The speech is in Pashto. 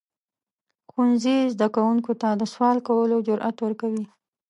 ښوونځی زده کوونکو ته د سوال کولو جرئت ورکوي.